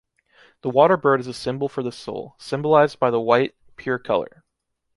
The water bird is a symbol for the soul, symbolized by the white, pure color.